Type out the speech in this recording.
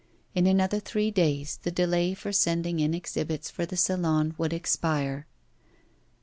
In another three days the delay for sending in exhibits for the Salon would expire.